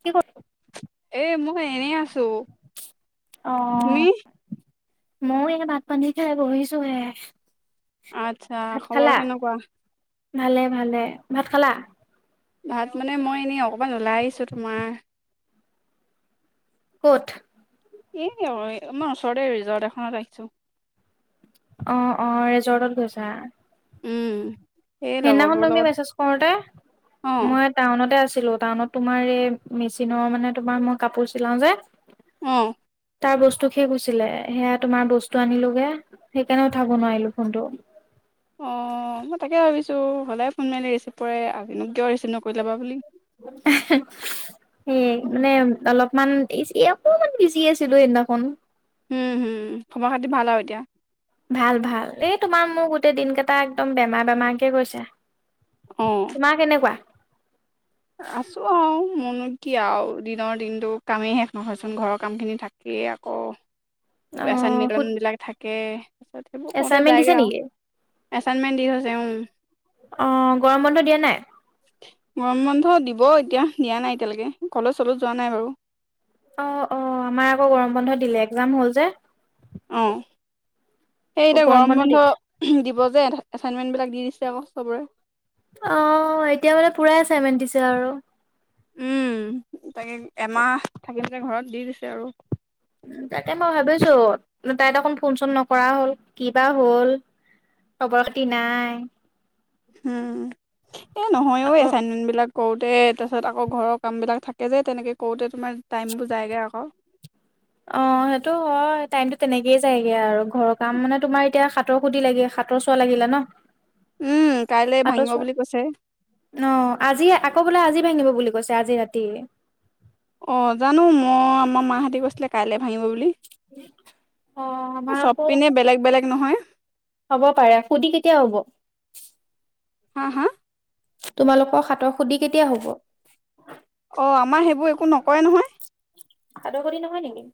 কি ক ই এনেই আছো অ তুমি মই এনে ভাত পানী খাই বহিছো হে আচ্ছা খবৰ কেনেকুৱা ভালে ভালে ভাত খালা ভাত মানে মই এনেই অকমান ওলাই আহিছো তোমাৰ ক'ত এ আমাৰ ওচৰতে ৰিজৰ্ট এখনত আহিছো অ অ ৰেজৰ্টত গৈছা। উম এই সেইদিখন লগৰবোৰৰ তুমি লগত মেছেজ কৰোতে অ মই টাউনতে আছো টাউনত তোমাৰ এই মেচিনৰ মানে তোমাৰ মই কাপোৰ চিলাও যে উম তাৰ বস্তু শেষ ক হৈছিলে সেয়া তোমাৰ বস্তু আনিলোগে সেইকাৰণে উঠাব নোৱাৰিলো ফোনটো। অ মই তাকে ভাবিছোঁ হ'লেই ফোন মাৰিলে ৰিচিভ কৰে আজিনো কিয় ৰিচিভ নকৰিলে'বা বুলি সেইয় মানে অলপ ইমানজি অকমান বিজি আছিলো সেইদিনাখন উম হম খবৰ খাতি ভাল আৰু এতিয়া ভাল ভাল এই তোমাৰ মোৰ গোটেই দিন কেইটা একদম বেমাৰ বেমাৰকে গৈছে। অ তোমাৰ কেনেকুৱা আছো আও মোৰনো কি আৰু দিনৰ দিনটো কামেই শেষ নহয়চোন ঘৰৰ কাম খিনি থাকিয়েই আকৌ এছান অ', মিদন বিলাক থাকে তাৰপিছত সেইবোৰ কওঁতে এছাইনমেণ্ট দিছে জায়গে আও নেকি? এচাইনমেন্ট দি হৈছে উ অ গৰম বন্ধ দিয়া নাই গৰম বন্ধ দিব এতিয়া দিয়া নাই এতিয়ালৈকে কলেজ চলেত যোৱা নাই বাৰু অ অ আমাৰ আকৌ গৰম বন্ধ দিলে একজাম হ'ল যে অ সেই এতিয়া গৰম বন্ধ দিব যে। এচাইনমেণ্টবিলাক দি দিছে আকৌ চবৰে। অ এতিয়া মানে পুৰা এচাইনমেণ্ট দিছে আৰু উম তাকে এমাহ থাকিলে যে ঘৰত দি দিছে আৰু তাকে মই ভাবিছো তাই ত অকন ফোন চোন নকৰা হ'ল কিবা হ'ল খবৰ খাতি নাই উম এ নহয়ও আকৌ এচাইনমেন্ট বিলাক কৰোঁতে তাৰপিছত আকৌ ঘৰৰ কামবিলাক থাকে যে তেনেকে কৰোঁতে তোমাৰ টাইমবোৰ যায়গৈ আকৌ [unintelligible] অ সেইটো হয় টাইমতো তেনেকেই যায়গে আৰু ঘৰৰ কাম মানে তোমাৰ এতিয়া সাতৰ সুধি লাগে হাটৰ চোৱা লাগিলে ন উম কাইলে হাট ভাঙিব চোৱা বুলি কৈছে অ আজি আকৌ বোলে আজি ভাঙিব বুলি কৈছে আজি ৰাতি অ জানো মই আমাৰ মাহতি গৈছিলে কাইলে ভাঙিব বুলি অ' আমাৰ এই আকৌ চব পিনে বেলেগ বেলেগ নহয় হ'ব পাৰে সুধি কেতিয়া হ'ব হা হা তোমালোকৰ হাতৰ সুধি কেতিয়া হব অ আমাৰ সেইবোৰ একো নকৰে নহয় হাটৰ সুধি নহয় নেকি?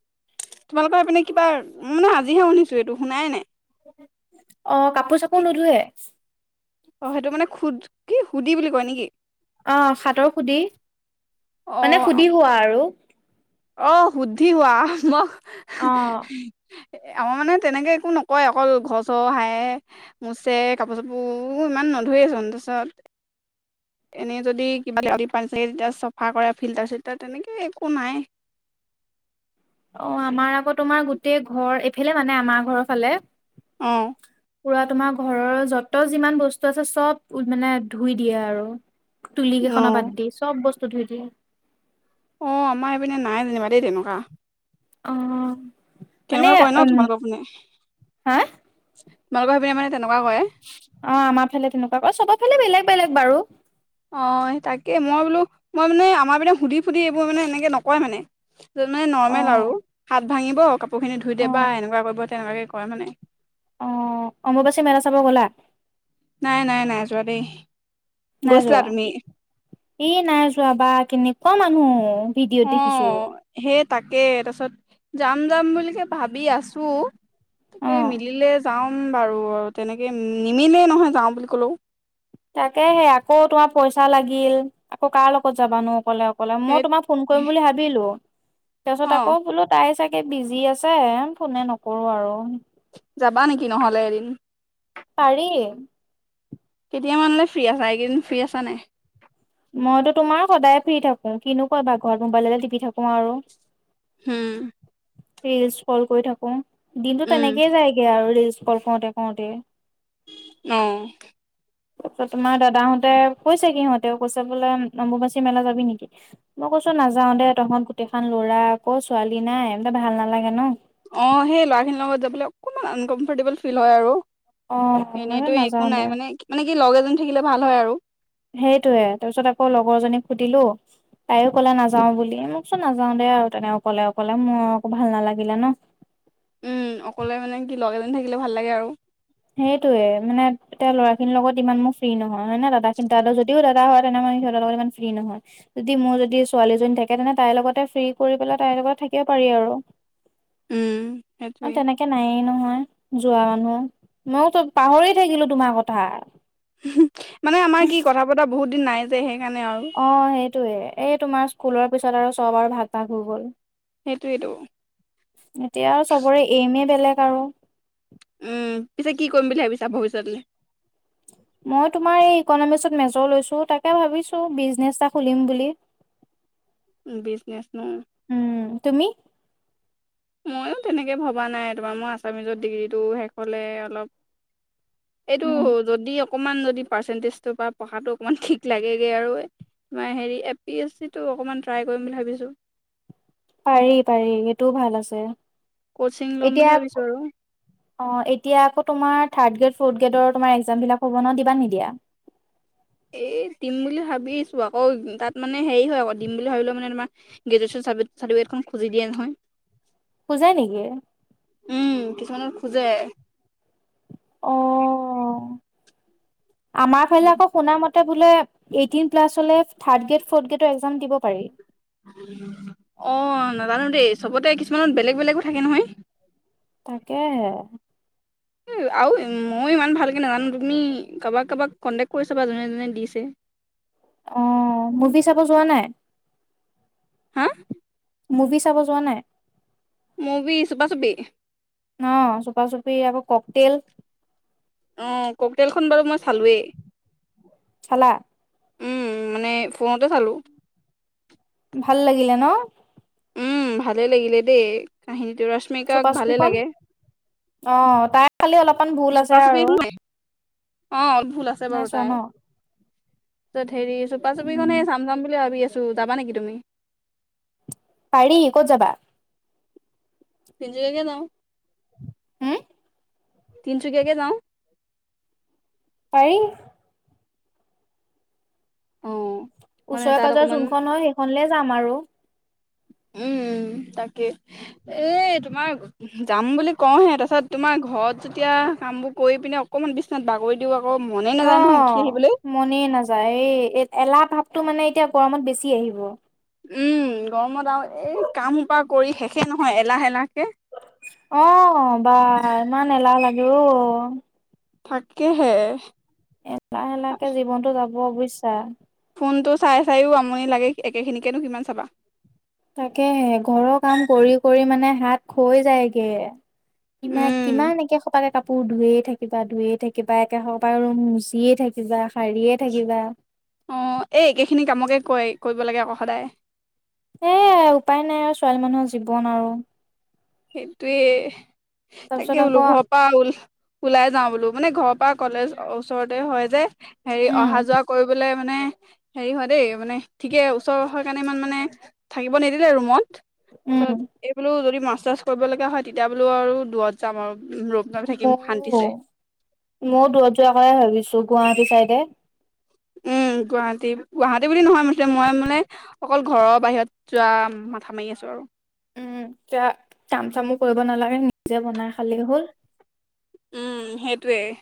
তোমালোকৰ হেইপিনে কিবা মই মানে আজিহে শুনিছো এইটো শুনাই নাই। অ কাপোৰ- কি চাপোৰ নোধোৱে অ সেইটো মানে খুদ কি সুধি বুলি কয় নেকি অ হাটৰ সুধি অ মানে সুধি হোৱা আৰু অ সুদ্ধি হোৱা মোক অ', এ আমাৰ মানে তেনেকে একো নকয় অকল ঘৰ চৰ হায়ে মুচে কাপোৰ -চাপোৰ ইমান নুধুৱেই চোন তাৰপিছত এনে যদি কিবা পান তেতিয়া চফা কৰে ফিল্টাৰ চিল্টাৰ তেনেকে একো নাই। অ আমাৰ আকৌ তোমাৰ গোটেই ঘৰ এইফালে মানে আমাৰ ঘৰৰ ফালে অহ পুৰা তোমাৰ ঘৰৰ যত যিমান বস্তু আছে চব মানে ধুই দিয়ে আৰু। তুলি অ কেইখনৰ বাদ দিয়ে চব বস্তু ধুই দিয়ে অ আমাৰ এইপিনে নাই যেনিবা দেই তেনেকোৱা। অহ কেনেকোৱা কয় ন তোমালোকৰ পিনে। হা তোমালোক সেইপিনে মানে তেনেকুৱা কৰে অ আমাৰ ফালে তেনেকোৱা ক অ চবৰ ফালে বেলেগ বেলেগ বাৰু। অ তাকে মই বোলো মই মানে আমাৰ মানে সুধি ফুধি এইবোৰ মানে এনেকে নকয় মানে। মানে নৰ্মেল আৰু অ', হাত ভাঙিব কাপোৰখিনি ধুই অ', দেবা এনেকোৱা কৰিব তেনেকোৱাকৈ কৰে মানে। অ অম্বুবাচী মেলা চাব গ'লা। নাই নাই নাই যোৱা দেই। নাই গৈছিলা যোৱা তুমি ই নাই যোৱা বা কেনেকোৱা মানুহ। ভিডিঅ'ত অ দেখিছো সেই তাকে তাৰপিছত যাম যাম বুলিকে ভাবি আছোঁ তাকে অ', মিলিলে যাও উম বাৰু তেনেকে নিমিলেই নহয় যাওঁ বুলি ক'লেও। তাকে হে আকৌ তোমাৰ পইচা লাগিল আকৌ কাৰ লগত যাবানো। অকলে অকলে সেই মই তোমাক ফোন কৰিম বুলি ভাবিলো তাৰপিছত আকৌ অ' বোলো তাই চাগে বিজি আছে ফোনে নকৰোঁ আৰু। যাবা নেকি নহলে এদিন। পাৰি। কেতিয়া মানলে ফ্ৰী আছা, এইকেইদিন ফ্ৰী আছা নাই। মইতো তোমাৰ সদায় ফ্ৰী থাকো কিনো কৰিবা ঘৰত মোবাইল টিপি থাকোঁ আৰু। হম ৰিলচ কল কৰি থাকো দিনতটো উম তেনেকেই যায়গে আৰু ৰিলচ কল কৰোঁতে কৰোঁতে। অহ তাৰপিছত তোমাৰ দাদাহঁতে কৈছে কি সহঁতে তেওঁ কৈছে বোলে নম্বুবাচী মেলা যাবি নেকি, মই কৈছো নাযাও দে তহঁত গোটেই খ ল'ৰা আকৌ। ছোৱালী নাই এনেকে ভাল নালাগে ন। অ সেই ল'ৰা খিনিৰ লগত যাবলৈ অকণমান আনকমফৰ্টেবল ফিল হয় আৰু অ মানে এনেতো নাযাও একো দে নাই মানে মানে কি লগ এজন থাকিলে ভাল হয় আৰু সেইটয়ে তাৰপিছত আকৌ লগৰজনীক সুধিলোঁ। তাইও কলে নাযাও বুলি মোকচোন নাযাও দে আৰু তেনেক অকলে অকলে মোৰ আকৌ ভাল নালাগিলে ন। উম অকলে মানে কি লগ এজন থাকিলে ভাল লাগে আৰু। সেইটোয়ে মানে তেওঁ ল'ৰা খিনিৰ লগত ইমান মোৰ ফ্ৰী নহয় হয় নে দাদা খিত যদিও দাদা হয় তেনে ম সিহতৰ লগ ই ফ্ৰী নহয়, যদি মোৰ যদি ছোৱালীজন থাকে তেনে তাইৰ লগতে ফ্ৰী কৰি পেলাই তাইৰ লগত থাকে পাৰি আৰু, উম, আৰু সেইটোৱে তেনেকে নায়েই নহয় যোৱা মানুহ। মইয়ো তো পাহৰি থাকিলো তোমাৰ কথা [unintelligible] মানে আমাৰ কি কথা বতৰা বহুত দিন নাই যে সেইকাৰণে আৰু [unintelligible] সেইটোৱেই এই তোমাৰ স্কুলৰ পিছত আৰু চব আৰু ভাগ-ভাগ হৈ গ'ল। সেইটোৱেইটো এতিয়া আৰু চবৰে এমেই বেলেগ আৰু উম পিছে কি কৰিম বুলি ভাবিছা ভৱিষ্যতলৈ মই তোমাৰ এই ইকনমিকসত মেজৰ লৈছো তাকে ভাবিছো বিজনেচ এটা খুলিম বুলি [unintelligible] বিজনেছ ন উম, তুমি? ময়ো তেনেকৈ ভবা নাই তোমাৰ মই আছামিজত ডিগ্ৰীটো শেষ হ'লে অলপ এইটো উম, যদি অকনমান যদি পাৰ্চেন্টেজটো পৰা পঢ়াটো অকনমান ঠিক লাগে গে আৰু হেৰি এ পি এছ চিটো অকমান ট্ৰাই কৰিম বুলি ভাবিছো। পাৰি-পাৰি সেইটোও ভাল আছে। কচিং ল'ম এতিয়া বুলি ভাবিছোঁ আৰু অ এতিয়া আকৌ তোমাৰ থাৰ্ড গ্ৰেড ফৰ্ গ্ৰেডৰ তোমাৰ একজামবিলাক হ'ব নহয়, দিবা নিদিয়া? এই দিম বুলি ভাবিছো আকৌ তাত মানে হেৰি হয় আকৌ দিম বুলি ভাবিলও মানে তোমাৰ গ্ৰেজ চাৰ্টিফিকেটখন খুজি দিয়ে নহয়। খোজে নেকি? উম কিছুমানৰ খোজে। অ' আমাৰ ফালে আকৌ শুনা মতে বোলে এইটিন প্লাছ হলে থাৰ্ড গ্ৰেড ফৰ্থ গ্ৰেডৰ এক্সাম দিব পাৰি। অ নাজানো দেই চবতে কিছুমানত বেলেগ বেলেগো থাকে নহয়। তাকে হে। আৰু ময়ো ইমান ভালকে নাজানো তুমি কাৰোবাক কাৰোবাক কণ্টেক্ট কৰিছা বা যোনে জোনে দিছে। অ মুভি চাব যোৱা নাই? হা [unintelligible] মুভি চাব যোৱা নাই? [unintelligible] মভি চুপা-চুপি অ চপা-চুপি আকৌ কক তেল অ ককতেলখন বাৰু মই চালোৱেই চালা? উম মানে ফোনতে চালো। ভাল লাগিলে ন? উম ভালে লাগিলে দেই কাহিনীটো ৰশ্মিকাক ভালে চুপা-চুপিখন লাগে অ তাই খালি অলপমান ভুল আছে চুপা চুপি আৰু অ অলপ ভুল আছে নাই বাৰু চোৱা ন তাই হেৰি উম চুপা-চুপিখনেই চাম-চাম বুলি ভাবি আছো যাবা নেকি তুমি পাৰি ক'ত যাবা? [unintelligible] তিনিচুকীয়া কে যাওঁ হুম [unintelligible] তিনিচুকীয়াকে যাওঁ। পাৰি। অঁ ওচৰে-পাজৰে যোনখন হয় সেইখনলে যাম আৰু। উম তাকে এ তোমাৰ যাম বুলি কওঁহে তাৰপাছত তোমাৰ। ঘৰত যেতিয়া কামবোৰ কৰি পিনে অকণমান বিছনাত বাগৰি দিওঁ। আকৌ মনে অ নাযায় নহয় উঠি আহিবলৈ। মনে নাযায় এই এ এলাহ ভাৱ তটো মানে এতিয়া গৰমত বেছি আহিব। উম গৰমত আৰু এই কাম সোপা কৰি শেষেই নহয় এলাহ-এলাহকে। অ বা ইমান এলাহ লাগে অ। তাকেহে। এটা এলাহে লাকে জীৱনতটো যাব বুইছা। ফোনটো চাই চায়ো আমনি লাগে একেখিনিকেনো কিমান চাবা। তাকেহে ঘৰৰ কাম কৰি কৰি মানে হাত খৈ যায়গে। কিমান উম কিমান একেখুপাকে কাপোৰ ধুয়ে থাকে। কিবা ধুয়ে থাকিবা একে হ বা মচিয়ে থাকিবা। হাৰীয়ে থাকিবা। অ এই একেখিনি কামকে কয় কৰিব লাগে আকৌ সদায়। এ উপায় নাই আৰু ছোৱালী মানুহৰ জীৱন আৰু। সেইটোয়ে তাকে তাৰপিছত বোলো আকৌ ঘৰৰ পৰা ওল ওলাই যাওঁ বোলো মানে ঘৰৰ পৰা। কলেজ ওচৰতে হয় যে হেৰি উম অহা যোৱা কৰিবলে। মানে হেৰি হয় দেই মানে ঠিকে ওচৰ হৰ কাৰণে ইমান মানে থাকিব নিদিলে ৰুমত। উম তাৰপাছত এই বোলো যদি মাছ চাছ কৰিব লগা হয় তেতিয়া বোলো আৰু দূৰত যাম আৰু। ৰূপ লৈ থাকিম ম শান্তিছে মই দূৰত যোৱাৰাকে ভাবিছো গুৱাহাটী চাইডে। উ। [unintelligible] উ গুৱাহাটী গুৱাহাটী বুলি নহয় মুঠতে মই মানে অকল ঘৰৰ বাহিৰত যোৱা মাথা মাৰি আছো আৰু। উম এতিয়া কাম চামো কৰিব নালাগে নিজে বনাই খালেই হ'ল। উম সেইটোৱেই।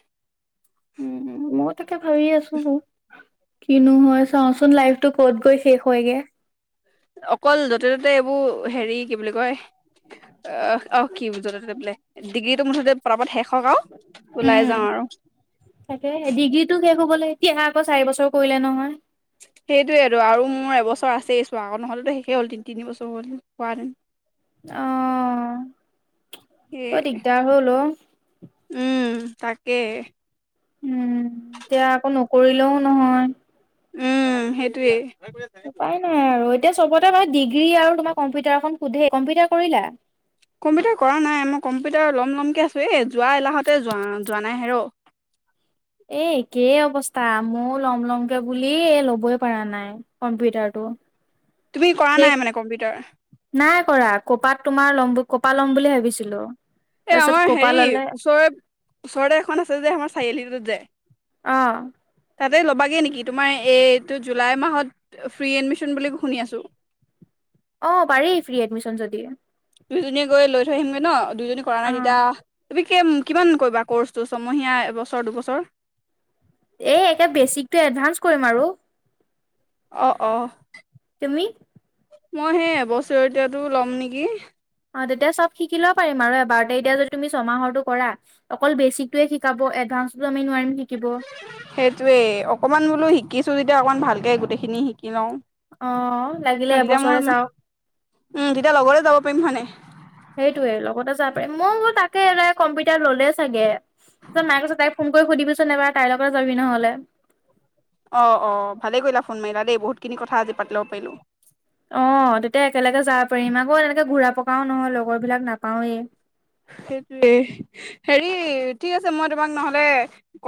উম মই তাকে ভাবি আছো ন। কিনো হয় চাচোন লাইফটো ক'ত গৈ শেষ হয়গে। অকল যতে ততে এইবোৰ হেৰি কি বুলি কয়। অ অ কি বুজ তাতে বোলে ডিগ্ৰীটো মুঠতোত শেষ। হওক আৰু ওলাই উম যাওঁ আৰু তাকে ডিগ্ৰীটো শেষ হবলে এতিয়া। চাৰি বছৰ কৰিলে নহয়। সেইটোয়েতটো আৰু মোৰ এবছৰ আছে চোৱা আকৌ নহলেতো শেষেই হ'ল তিনি বছৰ হ'ল হোৱাহেঁতেন। অ সেই বৰ দিগদাৰ হ'ল অ। উম তাকে। উম এতিয়া আকৌ নকৰিলেও নহয়। উম সেইটোৱে। উপায় নাই আৰু এতিয়া চবতে বাৰো ডিগ্ৰী আৰু তোমাৰ কম্পিউটাৰ সোধে কম্পিউটাৰ কৰিলা। কম্পিউটাৰ কৰা নাই মই কম্পিউটাৰ লম লমকে আছো এ যোৱা এলাহতে যোৱা যোৱা নাই হে ৰ। । [unintelligible] এ একেই অৱস্থা ময় ল'ম ল'মকে বুলি ল'বই পৰা নাই কম্পিউটাৰটো। তুমি কৰা সেই নাই মানে কম্পিউটাৰ নাই কৰা কবাদ তোমাৰ লম। কপাল ল' বুলি ভিছিলো। এ আমাৰ হেৰি ওচৰ ওচৰতে এখন আছে যে আমাৰ চাৰিআলিত যে। অ। তাতে ল'বাগৈ নেকি তোমাৰ এইটো জুলাই মাহত ফ্ৰী এডমিশ্যন বুলি শুনি আছোঁ। অ পাৰি ফ্ৰী এডমিশন যদি। দুইজনীয়ে গৈ লৈ থৈ আহিমগে ন দুইজনী কৰা নাই অ', তেতিয়া তুমি তাকে কিমান কৰিবা ক'ৰ্চটো ছমহীয়া, এবছৰ, দুবছৰ? এ একে বেচিকটো এডভানস কৰিম আৰু। অ অ। তুমি? মই হে এবছৰে এতিয়াতো ল'ম নেকি। অ তেতিয়া চব শিকি লব পাৰিম আৰু এবাৰ এতিয়া যে তুমি ছমাহৰটো কৰা অকল বেছিকয়ে শিকাব, এডভানস সেইটোৱে অকমান বোলো শিকিছো যেতিয়া অকমান ভালকে গোটেই খিনি শিকি লও, অ', লাগিলে তেতিয়া মোৰ এবছৰে যাও উম তেতিয়া লগতে যাব পাৰিম হয় নাই? সেইটোয়ে লগতে যাব পাৰি মই বোলো তাকে এ কম্পিউটাৰ ললে চাগে। পিছত মাই কৈছ তাইক ফোন কৰি সুধিবিচোন এবাৰ তাইৰ লগতে যাবি নহলে। অ অ ভালে কৰিলা ফোন মাৰিলা দেই বহুতখিনি কথা আজি পাতি লব পাৰিলো। অ তেতিয়া একেলগে যাব পাৰিম আকৌ এনেকে ঘূৰা পকাও নহয় লগৰ বিলাক নাপাৱেই। সেইটোৱে। হেৰি ঠিক আছে মই তোমাক নহ'লে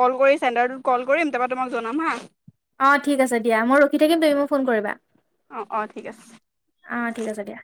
কল কৰি চেণ্টাৰটোত কল কৰিম তাৰপৰা তোমাক জনাম হা। অ ঠিক আছে দিয়া মই ৰখি থাকিম তুমি মোক ফোন কৰিবা। অ অ ঠিক আছে আহ ঠিক আছে দিয়া।